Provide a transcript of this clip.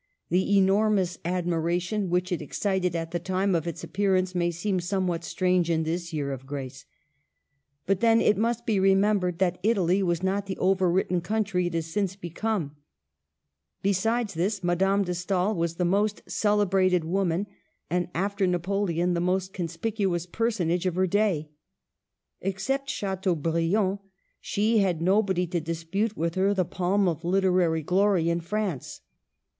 The enormous admiration which it excited at the time of its appearance may seem somewhat strange in this year of grace ; but then it must be remem bered that Italy was not the overwritten cowutry it has since become. Besides this, Madame de Stael was the most celebrated woman, and, after Napoleon, the most conspicuous personage of , her day. Except Chateaubriand, she had nobody \ to dispute with her the palm of literary glory in France.